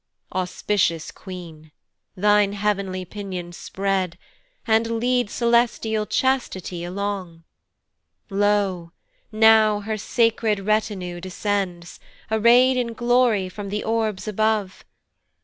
Auspicious queen, thine heav'nly pinions spread, And lead celestial Chastity along; Lo! now her sacred retinue descends, Array'd in glory from the orbs above.